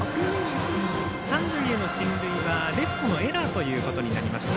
三塁への進塁はレフトのエラーとなりました。